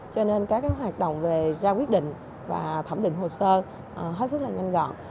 có hoạt động về ra quyết định và thẩm định hồ sơ hết sức là nhanh gọn